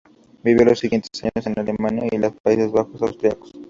Vivió los siguientes años en Alemania y los Países Bajos Austríacos.